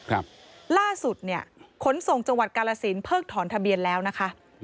ครับล่าสุดเนี่ยขนส่งจังหวัดกาลสินเพิ่งถอนทะเบียนแล้วนะคะ